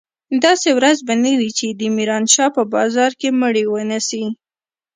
داسې ورځ به نه وي چې د ميرانشاه په بازار کښې مړي ونه سي.